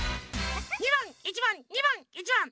２ばん１ばん２ばん１ばん。